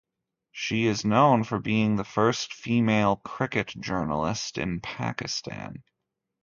She is known for being the first female cricket journalist in Pakistan.